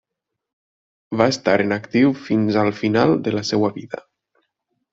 Va estar en actiu fins al final de la seua vida.